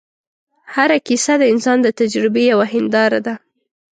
هره کیسه د انسان د تجربې یوه هنداره ده.